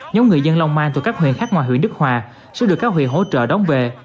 nhóm người dân long an từ các huyện khác ngoài huyện đức hòa sẽ được các huyện hỗ trợ đóng về